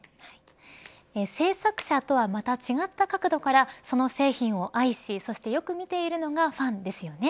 制作者とは違った角度からその製品を愛しそしてよく見ているのがファンですよね。